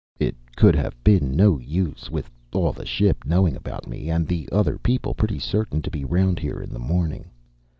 It could have been no use, with all the ship knowing about me and the other people pretty certain to be round here in the morning.